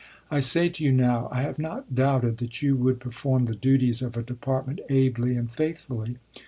I say to you now I have not doubted that you would perform the duties of a Department ably and faithfully.